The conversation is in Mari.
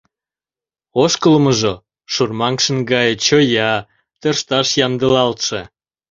Ошкылмыжо — шурмаҥшын гае: чоя, тӧршташ ямдылалтше.